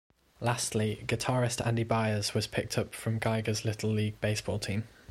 Lastly guitarist Andy Byers was picked up from Geiger's Little League baseball team.